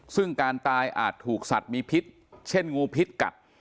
ซึ่งการตายอาจถูกสัตว์มีพิษเช่นงูพิษกัด